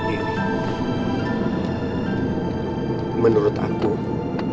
aku lebih setuju kalau kamu memilih untuk mengangkat rahim kamu